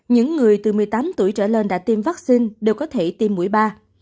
những người từ một mươi tám tuổi trở lên đã tiêm vaccine đều có thể tiêm mũi ba